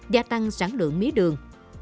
gia tăng sản lượng mía đường